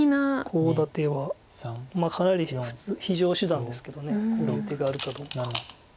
コウ立てはかなり非常手段ですけどこの手があるかどうか。